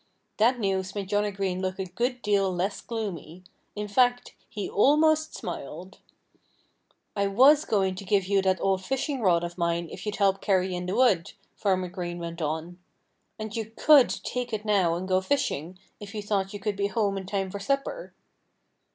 That news made Johnnie Green look a good deal less gloomy. In fact he almost smiled. "I was going to give you that old fishing rod of mine if you'd help carry in the wood," Farmer Greene went on. "And you could take it now and go fishing, if you thought you could be home in time for supper."